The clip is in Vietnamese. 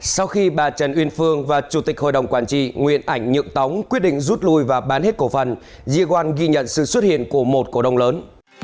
sau khi bà trần uyên phương và chủ tịch hội đồng quản trị nguyện ảnh nhượng tóng quyết định rút lui và bán hết cổ phần jiwan ghi nhận sự xuất hiện của một cổ đông lớn